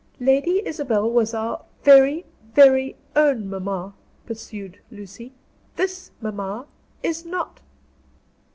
"Lady Isabel was our very, very own mamma," pursued Lucy. "This mamma is not."